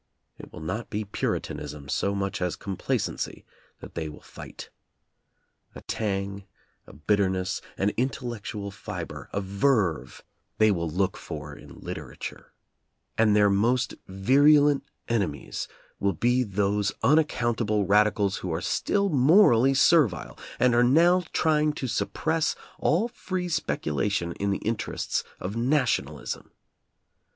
It will not be Puritanism so much as complacency that they will fight. A tang, a bitterness, an intellectual fiber, a verve, they will look for in literature, and their most virulent enemies will be those unaccountable radicals who are still morally servile, and are now trying to suppress all free speculation in the in terests of nationalism.